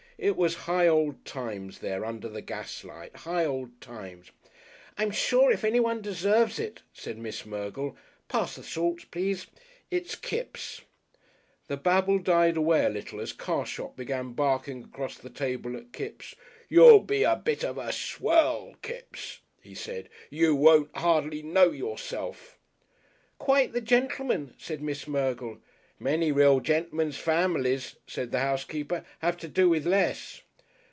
It was High Old Times there under the gaslight, High Old Times. "I'm sure if Anyone deserves it," said Miss Mergle "pass the salt, please it's Kipps." The babble died away a little as Carshot began barking across the table at Kipps. "You'll be a bit of a Swell, Kipps," he said. "You won't hardly know yourself." "Quite the gentleman," said Miss Mergle. "Many real gentlemen's families," said the housekeeper, "have to do with less."